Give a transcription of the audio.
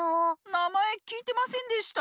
なまえきいてませんでした。